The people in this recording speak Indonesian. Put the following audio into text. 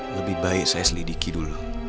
lebih baik saya selidiki dulu